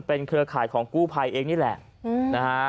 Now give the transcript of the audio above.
เป็นเครือข่ายของกู้ภัยเองนี่แหละนะฮะ